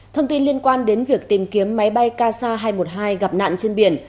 thông tin liên quan đến việc tìm kiếm máy bay ksa hai trăm một mươi hai gặp nạn trên biển